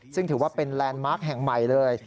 ซึ่งถือว่าเป็นแลนด์มาร์คแห่งใหม่เลย